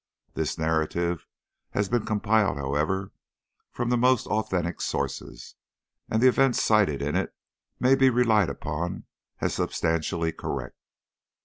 This narrative has been compiled, however, from the most authentic sources, and the events cited in it may be relied upon as substantially correct.